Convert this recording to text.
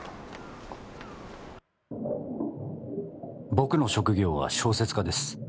僕の職業は小説家です